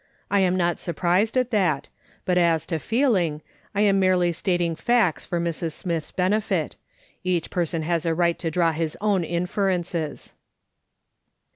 I am not surprised at that ; but as to feeling, I am merely stating facts for Mrs. Smith's benefit; each person has a right to draw his own inferences."